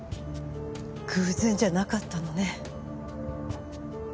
偶然じゃなかったのね。